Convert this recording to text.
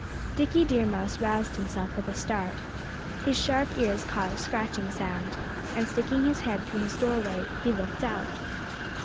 Dickie Deer Mouse roused himself with a start. His sharp ears caught a scratching sound. And sticking his head through his doorway, he looked out.